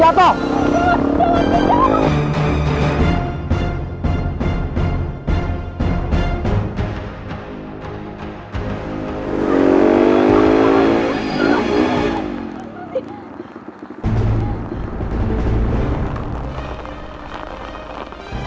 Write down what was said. jangan jangan jangan